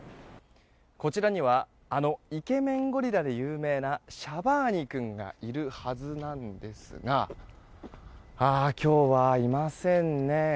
こちらにはあのイケメンゴリラで有名なシャバーニ君がいるはずなんですが今日はいませんね。